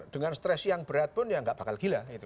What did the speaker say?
dengan stress yang berat pun ya gak bakal gila